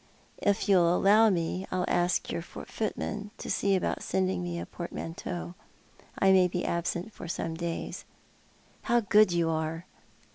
If you'll allow me, I'll ask your footman to sec about sendiug me a portmanteau. I may be absent for some days." " How good you are